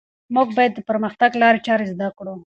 موږ باید د پرمختګ لارې چارې زده کړو.